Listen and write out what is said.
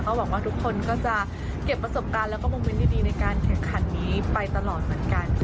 หวังว่าทุกคนก็จะเก็บประสบการณ์แล้วก็โมเมนต์ดีในการแข่งขันนี้ไปตลอดเหมือนกัน